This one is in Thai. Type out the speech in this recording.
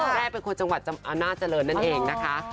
แม่เป็นคนจังหวัดอำนาจริงนั่นเองนะคะ